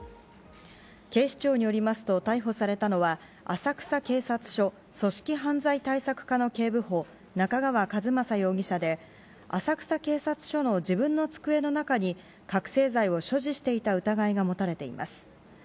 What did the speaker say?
警視庁によりますと、逮捕されたのは、浅草警察署組織犯罪対策課の警部補、中川一政容疑者で、浅草警察署の自分の机の中に覚醒剤を所持していた疑いが持たれています。